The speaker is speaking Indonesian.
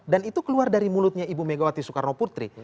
dan itu keluar dari mulutnya ibu megawati soekarnoputri